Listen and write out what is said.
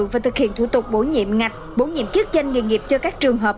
và thực hiện thủ tục bổ nhiệm ngạch bổ nhiệm chức danh nghề nghiệp cho các trường hợp